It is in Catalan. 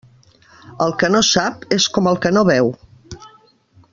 El que no sap, és com el que no veu.